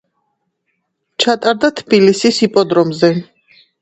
ჩატარდა თბილისის იპოდრომზე.